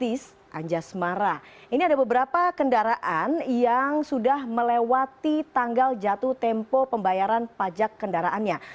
ini ada beberapa kendaraan yang sudah melewati tanggal jatuh tempo pembayaran pajak kendaraannya